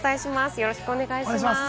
よろしくお願いします。